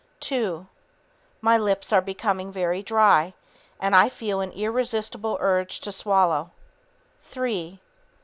Two ... My lips are becoming very dry, and I feel an irresistible urge to swallow. Three